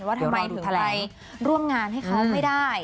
ว่าทำไมถึงไปร่วมงานให้เขาไม่ได้